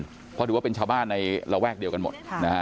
เพราะถือว่าเป็นชาวบ้านในระแวกเดียวกันหมดนะฮะ